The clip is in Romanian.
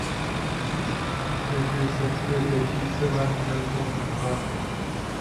Trebuie să fie decisă la nivel comunitar.